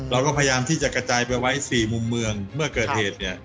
เราก็พยายามที่จะกระจายไปไว้สี่มุมเมืองเมื่อเกิดเหตุเนี่ย